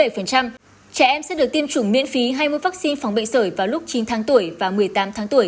trẻ em sẽ được tiêm chủng miễn phí hai mươi vaccine phòng bệnh sởi vào lúc chín tháng tuổi và một mươi tám tháng tuổi